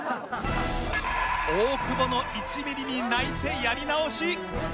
大久保の１ミリに泣いてやり直し。